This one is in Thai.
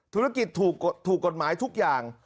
ธุรกิจถูกกฎหมายทุกอย่าง